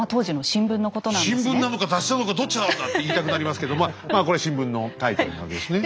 「新聞なのか雑誌なのかどっちなんだ！」って言いたくなりますけどまあこれ新聞のタイトルなんですね。